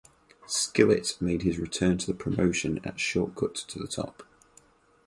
Skillet made his return to the promotion at Shortcut to the Top.